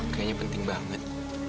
kayaknya penting banget